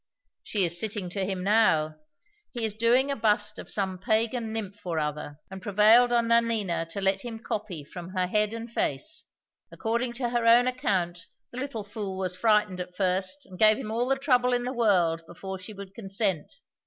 "She is sitting to him now. He is doing a bust of some Pagan nymph or other, and prevailed on Nanina to let him copy from her head and face. According to her own account the little fool was frightened at first, and gave him all the trouble in the world before she would consent."